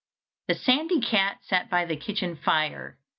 The sandy cat sat by the kitchen fire.